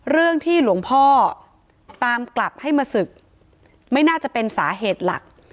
เรื่องที่หลวงพ่อตามกลับให้มาศึกไม่น่าจะเป็นสาเหตุหลัก